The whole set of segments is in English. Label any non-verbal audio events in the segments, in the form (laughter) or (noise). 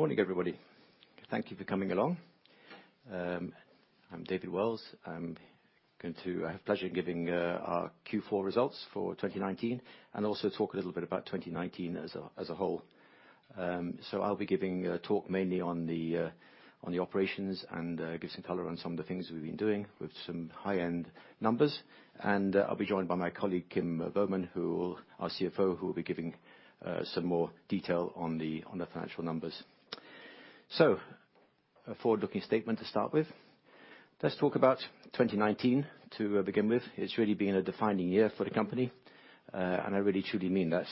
Good morning, everybody. Thank you for coming along. I'm David Wells. I have the pleasure in giving our Q4 results for 2019. Also talk a little bit about 2019 as a whole. I'll be giving a talk mainly on the operations and give some color on some of the things we've been doing, with some high-end numbers. I'll be joined by my colleague, Kim Boman, our CFO, who will be giving some more detail on the financial numbers. A forward-looking statement to start with. Let's talk about 2019 to begin with. It's really been a defining year for the company. I really truly mean that.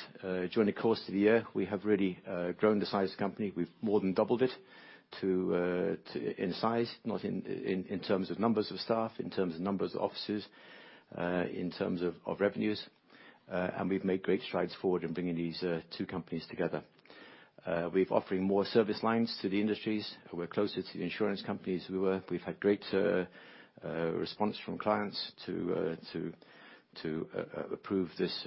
During the course of the year, we have really grown the size of the company. We've more than doubled it in size, not in terms of numbers of staff, in terms of numbers of offices, in terms of revenues. We've made great strides forward in bringing these two companies together. We're offering more service lines to the industries. We're closer to the insurance companies than we were. We've had great response from clients to approve this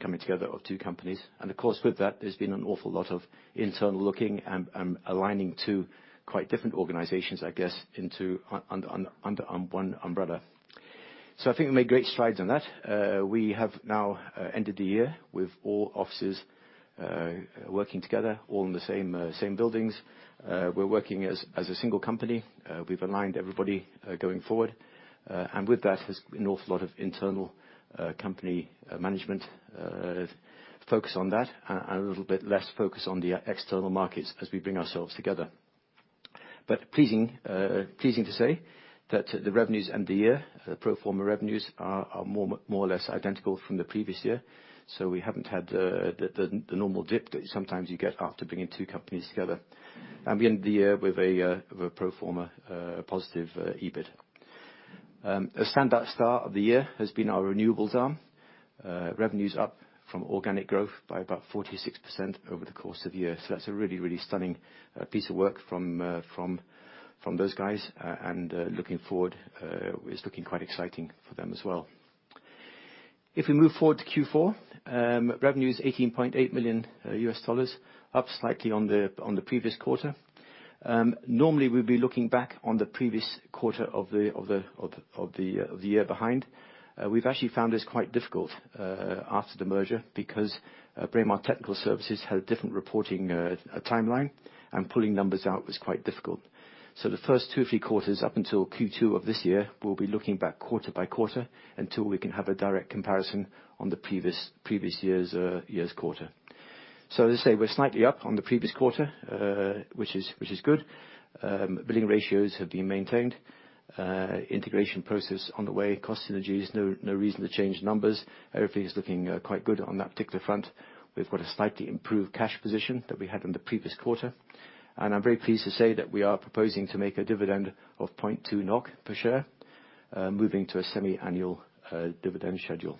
coming together of two companies. Of course, with that, there's been an awful lot of internal looking and aligning two quite different organizations, I guess, under one umbrella. So I think we made great strides on that. We have now ended the year with all offices working together, all in the same buildings. We're working as a single company. We've aligned everybody going forward. With that has been an awful lot of internal company management focus on that, and a little bit less focus on the external markets as we bring ourselves together. Pleasing to say that the revenues end the year, the pro forma revenues are more or less identical from the previous year, so we haven't had the normal dip that sometimes you get after bringing two companies together. We end the year with a pro forma positive EBIT. A standout start of the year has been our renewables arm. Revenue's up from organic growth by about 46% over the course of the year. That's a really stunning piece of work from those guys, and looking forward, it's looking quite exciting for them as well. If we move forward to Q4, revenue is $18.8 million US, up slightly on the previous quarter. Normally, we'd be looking back on the previous quarter of the year behind. We've actually found this quite difficult after the merger, because Braemar Technical Services had a different reporting timeline, and pulling numbers out was quite difficult. The first two or three quarters up until Q2 of this year, we'll be looking back quarter by quarter until we can have a direct comparison on the previous year's quarter. As I say, we're slightly up on the previous quarter, which is good. Billing ratios have been maintained. Integration process on the way. Cost synergies, no reason to change numbers. Everything is looking quite good on that particular front. We've got a slightly improved cash position that we had in the previous quarter, and I'm very pleased to say that we are proposing to make a dividend of 0.2 NOK per share, moving to a semi-annual dividend schedule.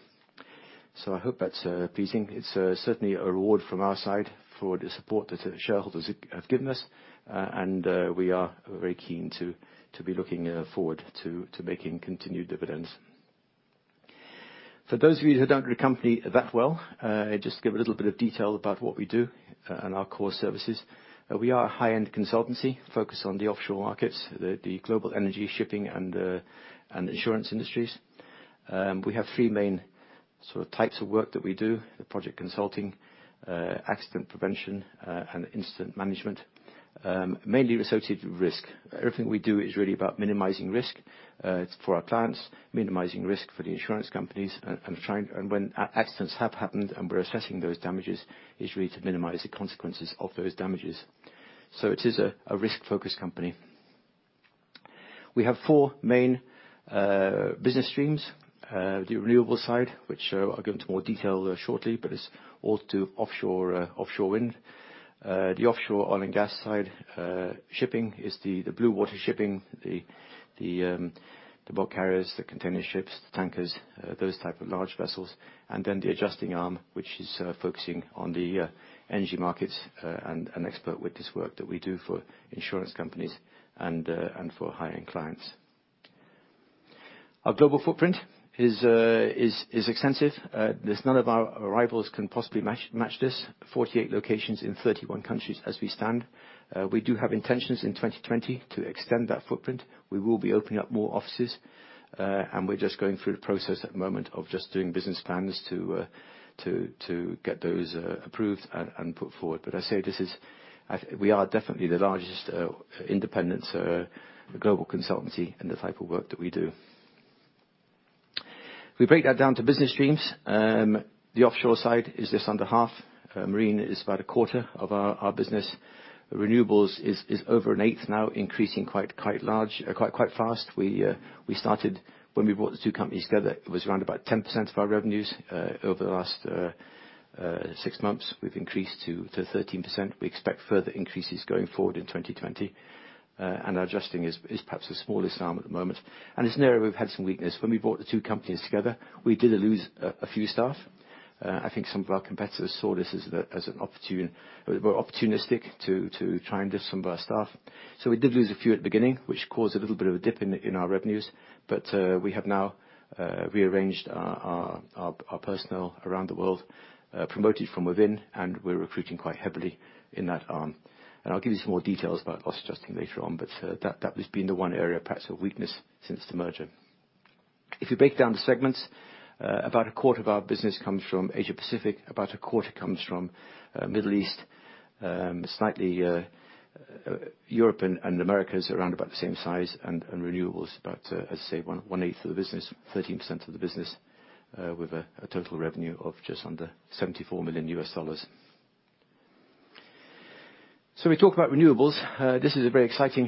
I hope that's pleasing. It's certainly a reward from our side for the support that shareholders have given us, and we are very keen to be looking forward to making continued dividends. For those of you who don't know the company that well, just to give a little bit of detail about what we do and our core services. We are a high-end consultancy focused on the offshore markets, the global energy shipping, and the insurance industries. We have three main sort of types of work that we do, the project consulting, accident prevention, and incident management, mainly associated with risk. Everything we do is really about minimizing risk, it's for our clients, minimizing risk for the insurance companies and when accidents have happened and we're assessing those damages, it's really to minimize the consequences of those damages. It is a risk-focused company. We have four main business streams. The renewable side, which I'll go into more detail shortly, but it's all to offshore wind. The offshore oil and gas side. Shipping is the blue water shipping, the bulk carriers, the container ships, the tankers, those type of large vessels. Then the adjusting arm, which is focusing on the energy markets, and an expert with this work that we do for insurance companies and for high-end clients. Our global footprint is extensive. None of our rivals can possibly match this. 48 locations in 31 countries as we stand. We do have intentions in 2020 to extend that footprint. We will be opening up more offices, and we're just going through the process at the moment of just doing business plans to get those approved and put forward. As I say, we are definitely the largest independent global consultancy in the type of work that we do. If we break that down to business streams, the offshore side is just under half. Marine is about a quarter of our business. Renewables is over an eighth now, increasing quite fast. We started when we brought the two companies together, it was around about 10% of our revenues. Over the last six months, we've increased to 13%. We expect further increases going forward in 2020. Adjusting is perhaps the smallest arm at the moment, and it's an area we've had some weakness. When we brought the two companies together, we did lose a few staff. I think some of our competitors saw this as an opportunity, were opportunistic to try and poach some of our staff. We did lose a few at the beginning, which caused a little bit of a dip in our revenues, but we have now rearranged our personnel around the world, promoted from within, and we're recruiting quite heavily in that arm. I'll give you some more details about us adjusting later on, but that has been the one area, perhaps, of weakness since the merger. If you break down the segments, about a quarter of our business comes from Asia Pacific, about a quarter comes from Middle East, slightly Europe and Americas, around about the same size, and renewables about, as I say, one eighth of the business, 13% of the business, with a total revenue of just under $74 million. We talk about renewables. This is a very exciting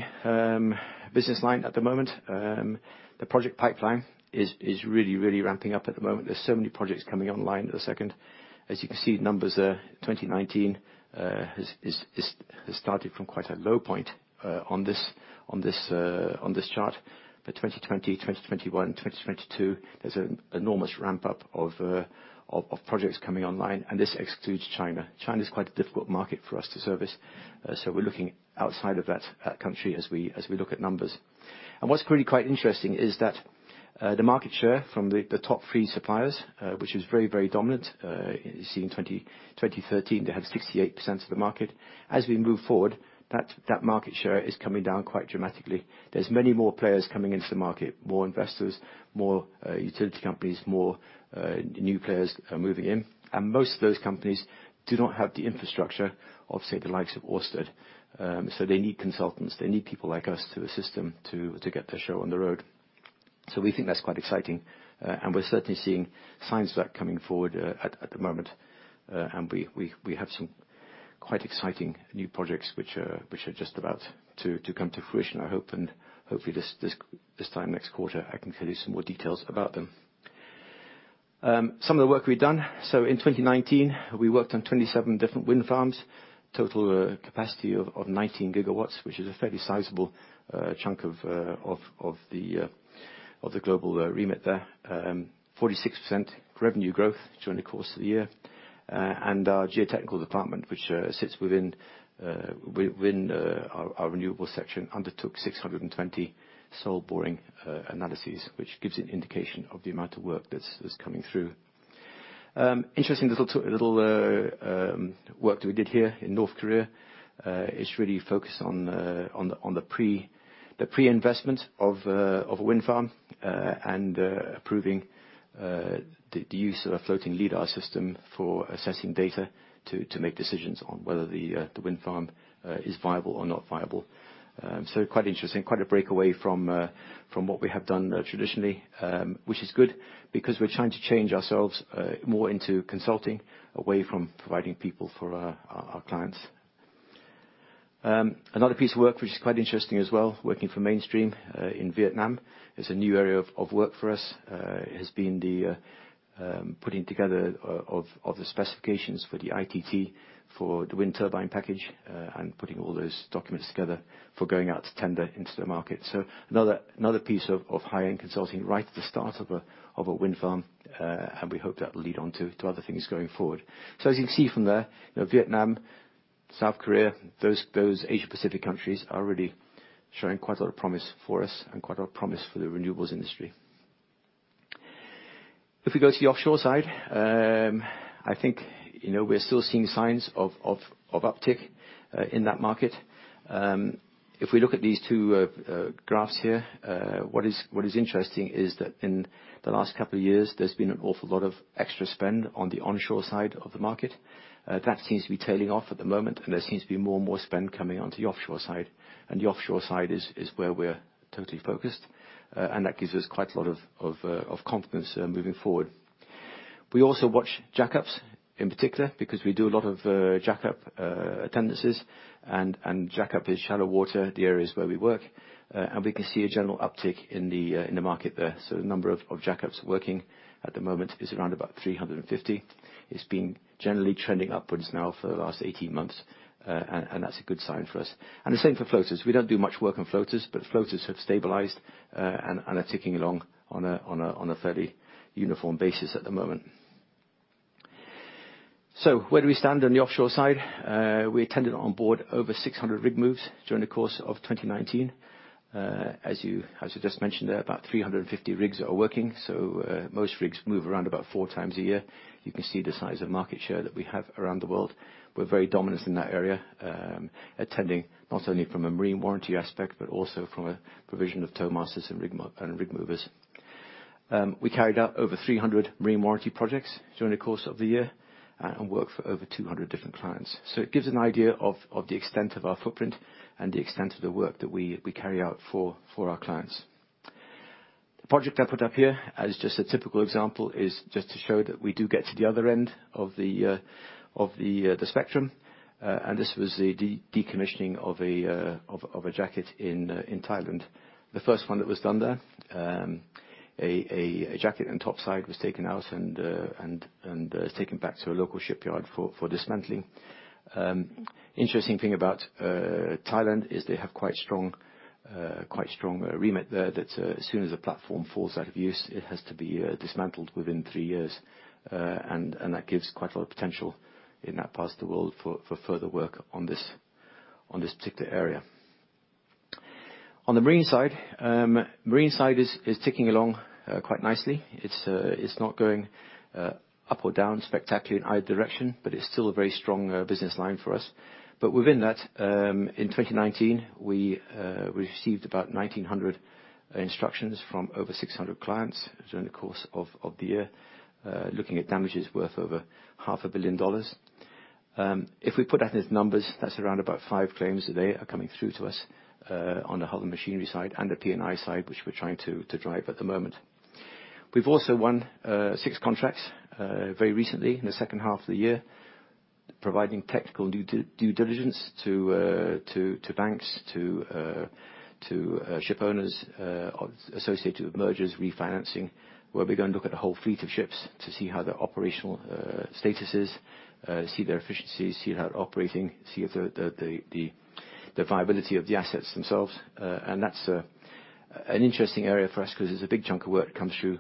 business line at the moment. The project pipeline is really ramping up at the moment. There's so many projects coming online at the second. As you can see, the numbers there, 2019, has started from quite a low point on this chart. 2020, 2021, 2022, there's an enormous ramp-up of projects coming online, and this excludes China. China's quite a difficult market for us to service, so we're looking outside of that country as we look at numbers. What's really quite interesting is that the market share from the top three suppliers, which was very dominant, you see in 2013, they had 68% of the market. As we move forward, that market share is coming down quite dramatically. There's many more players coming into the market, more investors, more utility companies, more new players are moving in. Most of those companies do not have the infrastructure of, say, the likes of Ørsted. They need consultants. They need people like us to assist them to get their show on the road. We think that's quite exciting, and we're certainly seeing signs of that coming forward at the moment. We have some quite exciting new projects, which are just about to come to fruition, I hope. Hopefully this time next quarter, I can tell you some more details about them. Some of the work we've done. In 2019, we worked on 27 different wind farms, total capacity of 19 gigawatts, which is a fairly sizable chunk of the global remit there. 46% revenue growth during the course of the year. Our geotechnical department, which sits within our renewable section, undertook 620 soil boring analyses, which gives you an indication of the amount of work that's coming through. Interesting little work that we did here in South Korea, is really focused on the pre-investment of a wind farm, and approving the use of a floating lidar system for assessing data to make decisions on whether the wind farm is viable or not viable. Quite interesting. Quite a break away from what we have done traditionally, which is good because we're trying to change ourselves more into consulting, away from providing people for our clients. Another piece of work which is quite interesting as well, working for Mainstream in Vietnam, is a new area of work for us, has been the putting together of the specifications for the ITT for the wind turbine package, and putting all those documents together for going out to tender into the market. Another piece of high-end consulting right at the start of a wind farm, and we hope that will lead on to other things going forward. As you can see from there, Vietnam, South Korea, those Asia Pacific countries are really showing quite a lot of promise for us, and quite a lot of promise for the renewables industry. If we go to the offshore side, I think we're still seeing signs of uptick in that market. If we look at these two graphs here, what is interesting is that in the last couple of years, there's been an awful lot of extra spend on the onshore side of the market. That seems to be tailing off at the moment, and there seems to be more and more spend coming onto the offshore side. The offshore side is where we're totally focused, and that gives us quite a lot of confidence moving forward. We also watch jack-ups in particular because we do a lot of jack-up attendances, and jack-up is shallow water, the areas where we work. We can see a general uptick in the market there. The number of jack-ups working at the moment is around about 350. It's been generally trending upwards now for the last 18 months, and that's a good sign for us. The same for floaters. We don't do much work on floaters have stabilized and are ticking along on a fairly uniform basis at the moment. Where do we stand on the offshore side? We attended on board over 600 rig moves during the course of 2019. As I just mentioned there, about 350 rigs are working. Most rigs move around about four times a year. You can see the size of market share that we have around the world. We're very dominant in that area, attending not only from a marine warranty aspect, but also from a provision of tow masters and rig movers. We carried out over 300 marine warranty projects during the course of the year and worked for over 200 different clients. It gives an idea of the extent of our footprint and the extent of the work that we carry out for our clients. The project I put up here as just a typical example, is just to show that we do get to the other end of the spectrum, and this was the decommissioning of a jacket in Thailand. The first one that was done there. A jacket and top side was taken out and taken back to a local shipyard for dismantling. Interesting thing about Thailand is they have quite a strong remit there that as soon as the platform falls out of use, it has to be dismantled within three years. That gives quite a lot of potential in that part of the world for further work on this particular area. On the marine side is ticking along quite nicely. It's not going up or down spectacularly in either direction, but it's still a very strong business line for us. Within that, in 2019, we received about 1,900 instructions from over 600 clients during the course of the year, looking at damages worth over $500 million. If we put out those numbers, that's around about five claims a day are coming through to us on the hull and machinery side and the P&I side, which we're trying to drive at the moment. We've also won six contracts very recently in the second half of the year, providing technical due diligence to banks, to ship owners associated with mergers, refinancing, where we go and look at a whole fleet of ships to see how their operational status is, see their efficiencies, see how they're operating, see the viability of the assets themselves. That's an interesting area for us because it's a big chunk of work comes through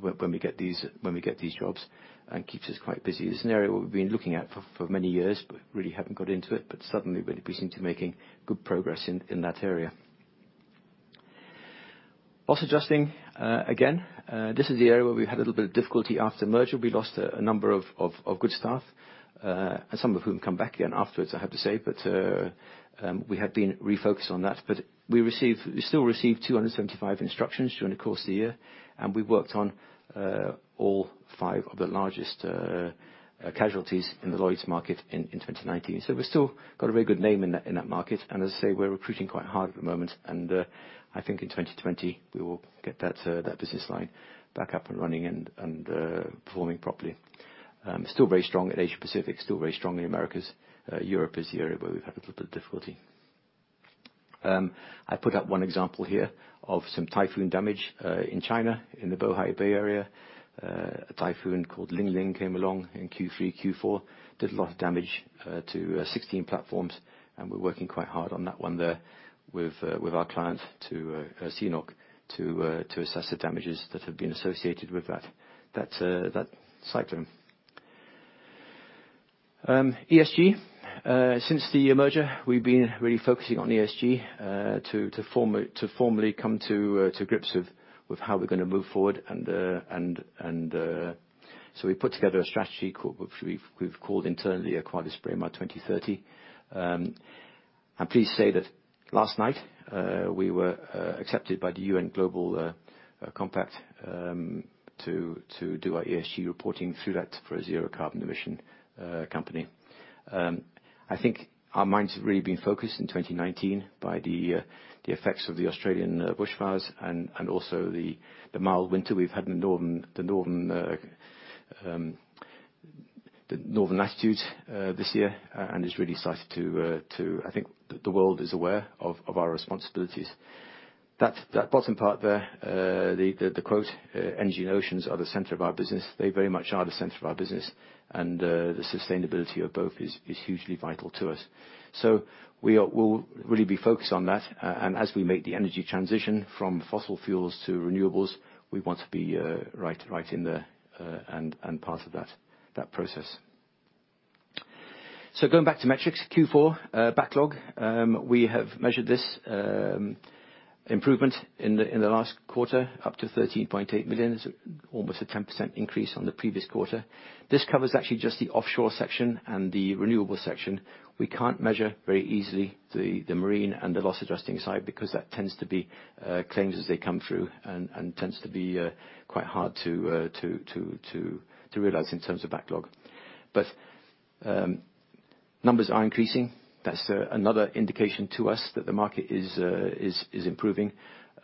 when we get these jobs and keeps us quite busy. This is an area what we've been looking at for many years, really haven't got into it, suddenly we're beginning to making good progress in that area. Loss adjusting, again, this is the area where we had a little bit of difficulty after merger. We lost a number of good staff, some of whom come back again afterwards, I have to say. We have been refocused on that. We still received 275 instructions during the course of the year, and we worked on all 5 of the largest casualties in the Lloyd's market in 2019. We've still got a very good name in that market. As I say, we're recruiting quite hard at the moment. I think in 2020, we will get that business line back up and running and performing properly. Still very strong in Asia Pacific, still very strong in Americas. Europe is the area where we've had a little bit of difficulty. I put up one example here of some typhoon damage in China, in the Bohai Bay area. A typhoon called Lingling came along in Q3, Q4, did a lot of damage to 16 platforms, and we're working quite hard on that one there with our client, CNOOC, to assess the damages that have been associated with that cyclone. ESG. Since the merger, we've been really focusing on ESG, to formally come to grips with how we're going to move forward and so we put together a strategy, which we've called internally (audio distortion) by 2030. I'm pleased to say that last night, we were accepted by the UN Global Compact, to do our ESG reporting through that for a zero carbon emission company. I think our minds have really been focused in 2019 by the effects of the Australian bushfires and also the mild winter we've had in the northern latitudes this year. I think the world is aware of our responsibilities. That bottom part there, the quote, "Energy and oceans are the center of our business," they very much are the center of our business, and the sustainability of both is hugely vital to us. We'll really be focused on that, and as we make the energy transition from fossil fuels to renewables, we want to be right in there and part of that process. Going back to metrics, Q4 backlog. We have measured this improvement in the last quarter up to $13.8 million. It's almost a 10% increase on the previous quarter. This covers actually just the offshore section and the renewable section. We can't measure very easily the marine and the loss adjusting side because that tends to be claims as they come through and tends to be quite hard to realize in terms of backlog. Numbers are increasing. That's another indication to us that the market is improving.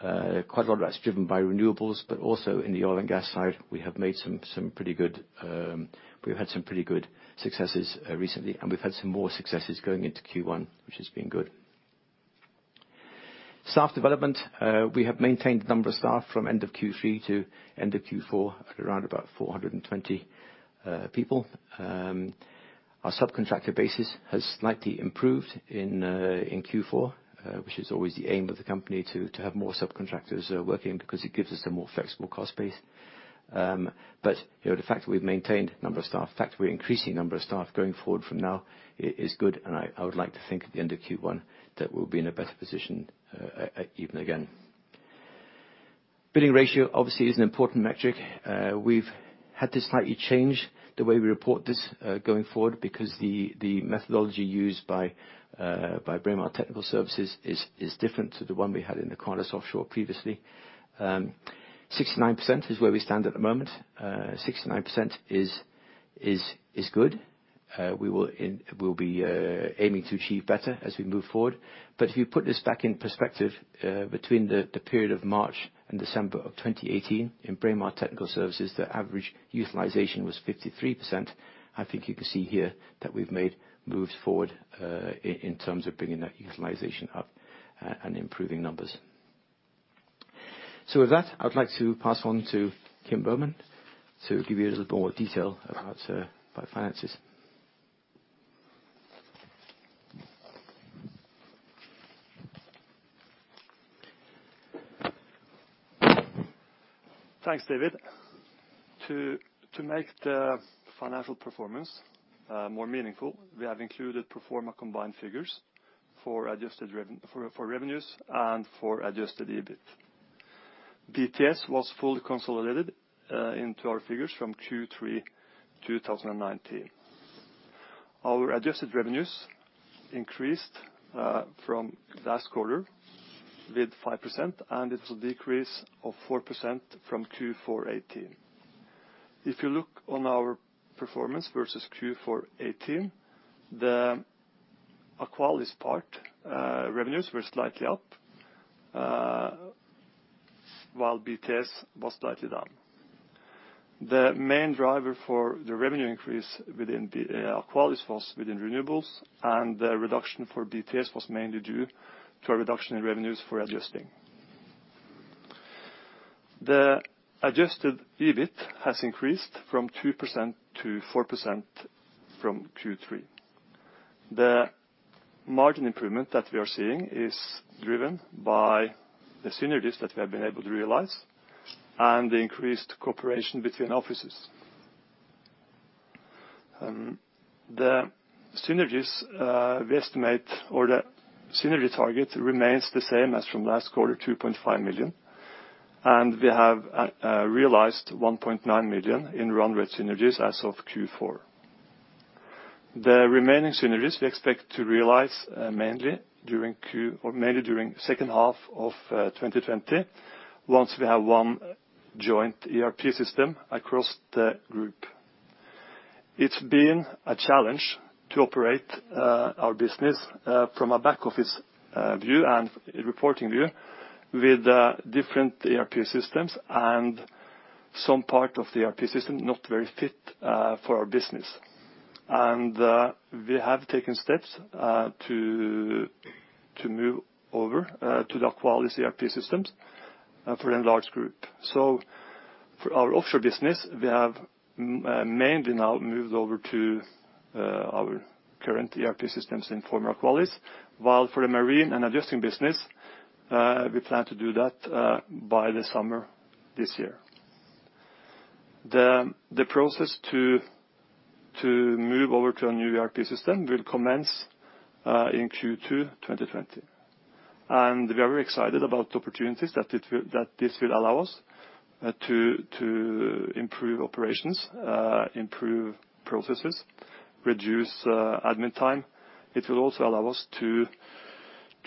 Quite a lot of that's driven by renewables, but also in the oil and gas side, we have made some pretty good successes recently, and we've had some more successes going into Q1, which has been good. Staff development, we have maintained the number of staff from end of Q3 to end of Q4 at around about 420 people. Our subcontractor basis has slightly improved in Q4, which is always the aim of the company to have more subcontractors working because it gives us a more flexible cost base. The fact that we've maintained number of staff, in fact, we're increasing number of staff going forward from now is good, and I would like to think at the end of Q1 that we'll be in a better position even again. Billing ratio obviously is an important metric. We've had to slightly change the way we report this going forward because the methodology used by Braemar Technical Services is different to the one we had in the Aqualis Offshore previously. 69% is where we stand at the moment. 69% is good. We'll be aiming to achieve better as we move forward. If you put this back in perspective, between the period of March and December of 2018 in Braemar Technical Services, the average utilization was 53%. I think you can see here that we've made moves forward, in terms of bringing that utilization up, and improving numbers. With that, I would like to pass on to Kim Boman to give you a little more detail about our finances. Thanks, David. To make the financial performance more meaningful, we have included pro forma combined figures for revenues and for adjusted EBIT. BTS was fully consolidated into our figures from Q3 2019. Our adjusted revenues increased from last quarter with 5%. It's a decrease of 4% from Q4 2018. If you look on our performance versus Q4 2018, the Aqualis part, revenues were slightly up, while BTS was slightly down. The main driver for the revenue increase within Aqualis was within renewables. The reduction for BTS was mainly due to a reduction in revenues for adjusting. The adjusted EBIT has increased from 2%-4% from Q3. The margin improvement that we are seeing is driven by the synergies that we have been able to realize and the increased cooperation between offices. The synergy targets remains the same as from last quarter, $2.5 million, and we have realized $1.9 million in run-rate synergies as of Q4. The remaining synergies we expect to realize mainly during second half of 2020, once we have one joint ERP system across the group. It's been a challenge to operate our business from a back office view and a reporting view with different ERP systems and some part of the ERP system not very fit for our business. We have taken steps to move over to the Aqualis ERP systems for the enlarged group. For our offshore business, we have mainly now moved over to our current ERP systems in former Aqualis. While for the marine and adjusting business, we plan to do that by the summer this year. The process to move over to a new ERP system will commence in Q2 2020. We are very excited about the opportunities that this will allow us to improve operations, improve processes, reduce admin time. It will also allow us to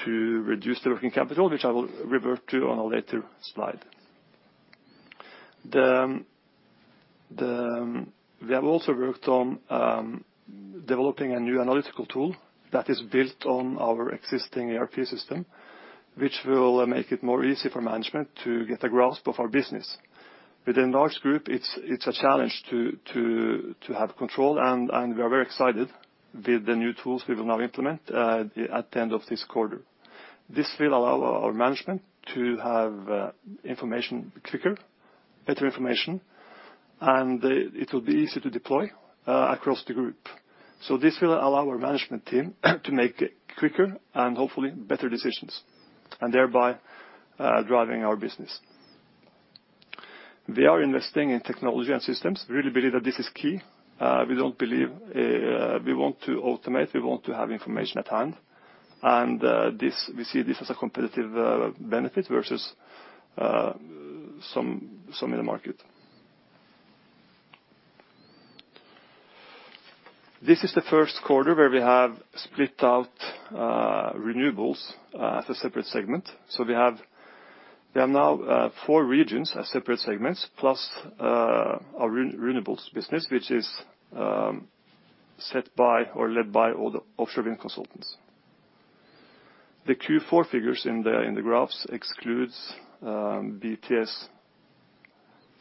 reduce the working capital, which I will revert to on a later slide. We have also worked on developing a new analytical tool that is built on our existing ERP system, which will make it more easy for management to get a grasp of our business. With the enlarged group, it's a challenge to have control and we are very excited with the new tools we will now implement at the end of this quarter. This will allow our management to have information quicker, better information, and it will be easy to deploy across the group. This will allow our management team to make quicker and hopefully better decisions and thereby driving our business. We are investing in technology and systems. We really believe that this is key. We want to automate, we want to have information at hand, and we see this as a competitive benefit versus some in the market. This is the first quarter where we have split out renewables as a separate segment. We have now four regions as separate segments, plus our renewables business, which is set by or led by all the offshore wind consultants. The Q4 figures in the graphs excludes BTS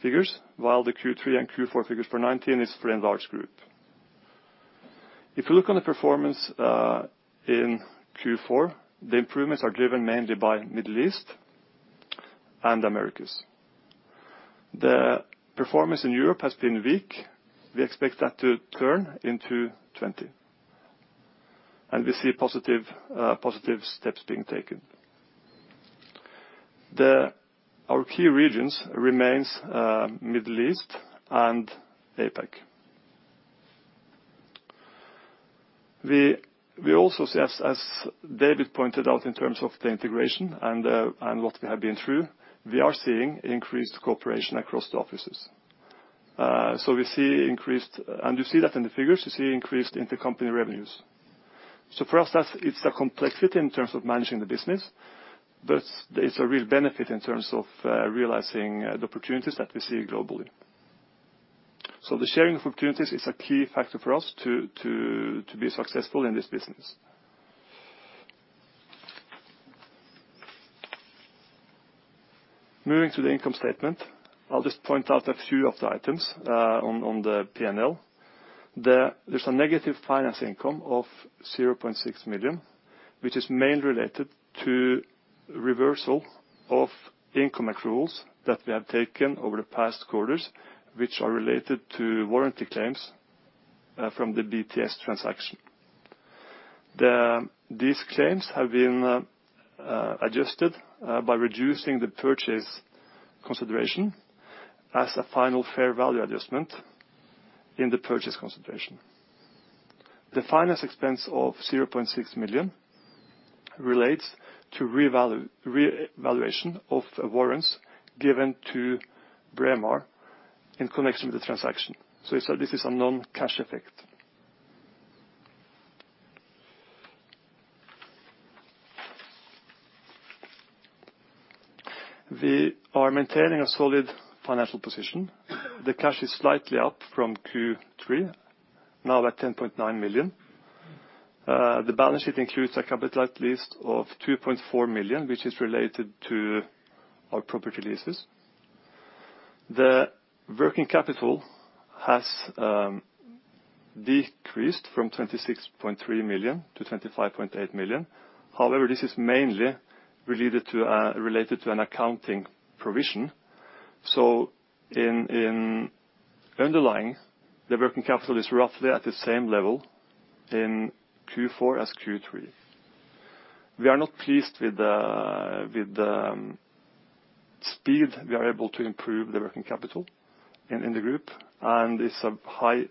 figures, while the Q3 and Q4 figures for 2019 is for enlarged group. If you look on the performance in Q4, the improvements are driven mainly by Middle East and Americas. The performance in Europe has been weak. We expect that to turn in 2020. We see positive steps being taken. Our key regions remains Middle East and APAC. We also see, as David pointed out in terms of the integration and what we have been through, we are seeing increased cooperation across the offices. You see that in the figures, you see increased intercompany revenues. For us, it's a complexity in terms of managing the business, but it's a real benefit in terms of realizing the opportunities that we see globally. The sharing of opportunities is a key factor for us to be successful in this business. Moving to the income statement, I'll just point out a few of the items on the P&L. There's a negative finance income of $0.6 million, which is mainly related to reversal of income accruals that we have taken over the past quarters, which are related to warranty claims from the BTS transaction. These claims have been adjusted by reducing the purchase consideration as a final fair value adjustment in the purchase consideration. The finance expense of $0.6 million relates to revaluation of the warrants given to Braemar in connection with the transaction. This is a non-cash effect. We are maintaining a solid financial position. The cash is slightly up from Q3, now at $10.9 million. The balance sheet includes a capital lease of $2.4 million, which is related to our property leases. The working capital has decreased from $26.3 million-$25.8 million. This is mainly related to an accounting provision. In underlying, the working capital is roughly at the same level in Q4 as Q3. We are not pleased with the speed we are able to improve the working capital in the group, and it's a high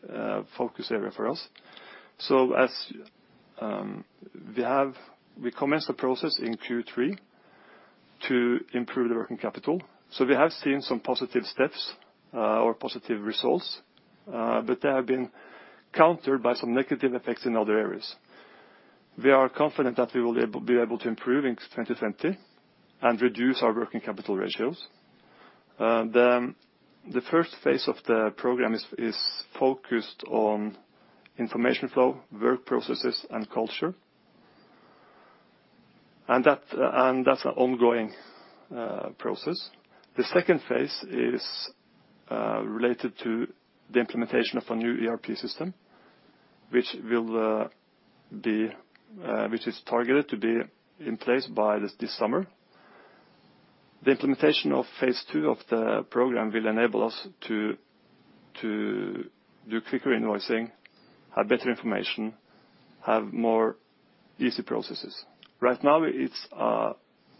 focus area for us. As we commenced the process in Q3 to improve the working capital. We have seen some positive steps or positive results, but they have been countered by some negative effects in other areas. We are confident that we will be able to improve in 2020 and reduce our working capital ratios. The first phase of the program is focused on information flow, work processes, and culture. That's an ongoing process. The second phase is related to the implementation of a new ERP system, which is targeted to be in place by this summer. The implementation of phase II of the program will enable us to do quicker invoicing, have better information, have more easy processes. Right now, it's a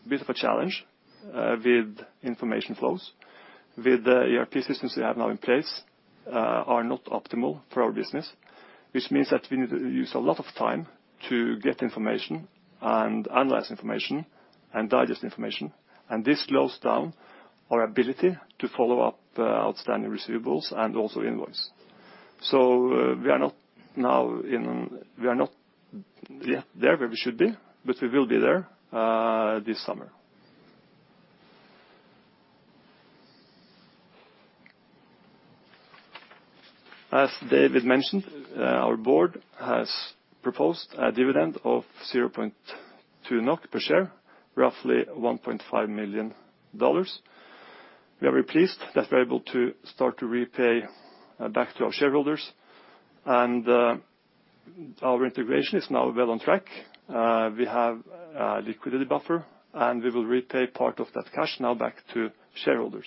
bit of a challenge with information flows. With the ERP systems we have now in place are not optimal for our business, which means that we need to use a lot of time to get information and analyze information and digest information. This slows down our ability to follow up outstanding receivables and also invoice. We are not there where we should be, but we will be there this summer. As David mentioned, our board has proposed a dividend of 0.2 NOK per share, roughly $1.5 million. We are very pleased that we're able to start to repay back to our shareholders. Our integration is now well on track. We have a liquidity buffer. We will repay part of that cash now back to shareholders.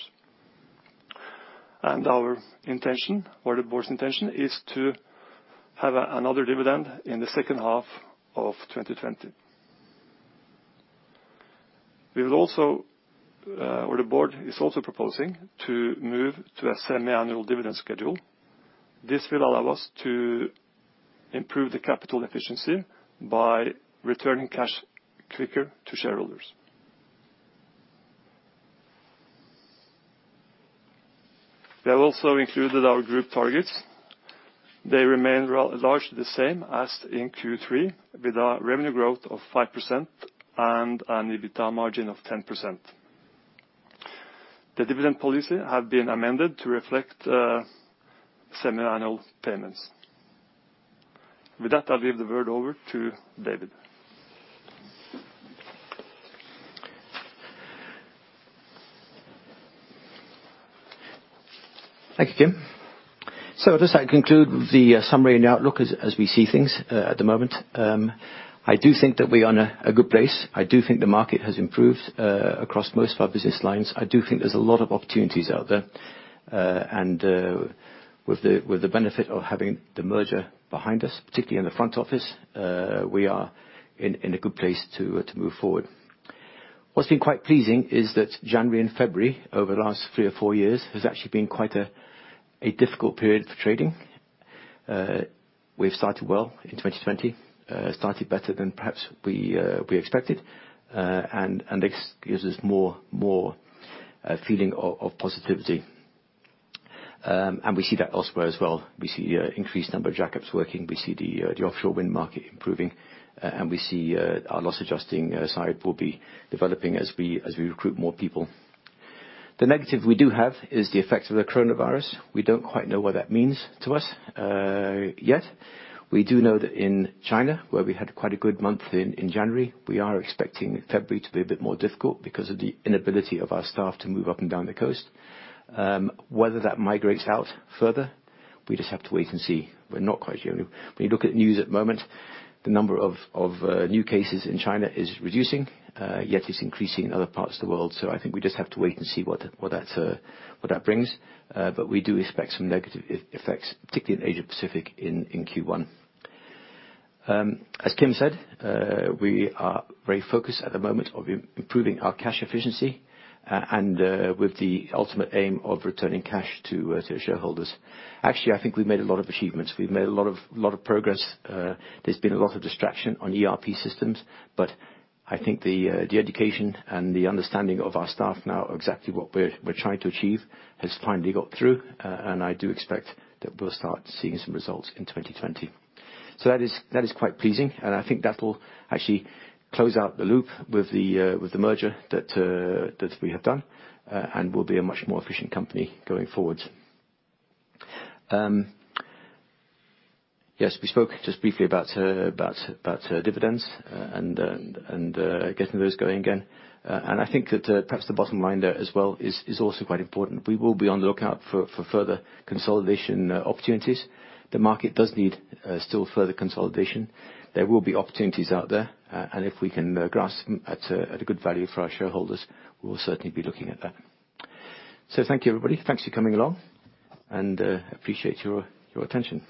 Our intention, or the board's intention, is to have another dividend in the second half of 2020. The board is also proposing to move to a semi-annual dividend schedule. This will allow us to improve the capital efficiency by returning cash quicker to shareholders. We have also included our group targets. They remain largely the same as in Q3, with a revenue growth of 5% and an EBITA margin of 10%. The dividend policy have been amended to reflect semi-annual payments. With that, I'll give the word over to David. Thank you, Kim. I'll just conclude the summary and outlook as we see things at the moment. I do think that we are in a good place. I do think the market has improved across most of our business lines. I do think there's a lot of opportunities out there. With the benefit of having the merger behind us, particularly in the front office, we are in a good place to move forward. What's been quite pleasing is that January and February, over the last three or four years, has actually been quite a difficult period for trading. We've started well in 2020, started better than perhaps we expected. This gives us more feeling of positivity. We see that elsewhere as well. We see increased number of jackups working. We see the offshore wind market improving. We see our loss adjusting side will be developing as we recruit more people. The negative we do have is the effect of the coronavirus. We don't quite know what that means to us yet. We do know that in China, where we had quite a good month in January, we are expecting February to be a bit more difficult because of the inability of our staff to move up and down the coast. Whether that migrates out further, we just have to wait and see. We're not quite sure. When you look at news at the moment, the number of new cases in China is reducing, yet it's increasing in other parts of the world. I think we just have to wait and see what that brings. We do expect some negative effects, particularly in Asia Pacific, in Q1. As Kim said, we are very focused at the moment of improving our cash efficiency and with the ultimate aim of returning cash to shareholders. Actually, I think we've made a lot of achievements. We've made a lot of progress. There's been a lot of distraction on ERP systems, I think the dedication and the understanding of our staff now of exactly what we're trying to achieve has finally got through, I do expect that we'll start seeing some results in 2020. That is quite pleasing, I think that will actually close out the loop with the merger that we have done and we'll be a much more efficient company going forward. Yes, we spoke just briefly about dividends and getting those going again. I think that perhaps the bottom line there as well is also quite important. We will be on the lookout for further consolidation opportunities. The market does need still further consolidation. There will be opportunities out there, and if we can grasp them at a good value for our shareholders, we will certainly be looking at that. Thank you, everybody. Thanks for coming along, and appreciate your attention.